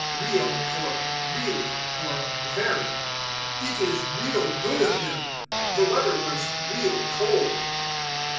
Real for Really, or Very. "It is real good of him." "The weather was real cold."